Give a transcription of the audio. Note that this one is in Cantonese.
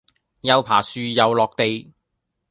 又爬樹又落地